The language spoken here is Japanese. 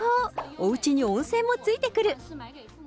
おうちに温泉もついてくる。